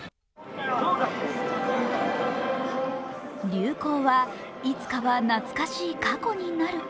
流行はいつかは懐かしい過去になる。